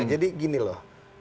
jadi gini loh